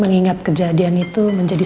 mengingat kejadian itu menjadi